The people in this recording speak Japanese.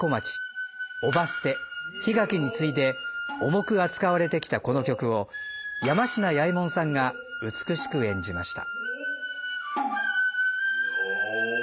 「姨捨」「檜垣」に次いで重く扱われてきたこの曲を山階彌右衛門さんが美しく演じました。